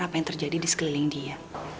apa yang terjadi di sekeliling dia